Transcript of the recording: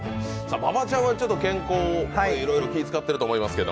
馬場ちゃんは健康にいろいろ気を遣っていると思いますけど。